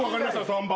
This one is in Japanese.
３番。